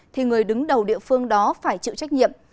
thì người đứng đầu địa phương đó phải chịu trách nhiệm